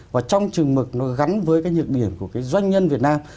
và trong chừng mực nó gắn với cái nhược điểm của cái doanh nhân việt nam